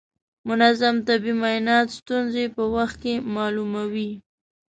منظم طبي معاینات ستونزې په وخت کې معلوموي.